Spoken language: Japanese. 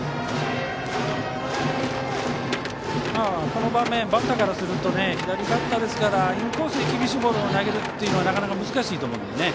この場面バッターからすると左バッターですからインコースに厳しいボールを投げるというのはなかなか難しいと思うので。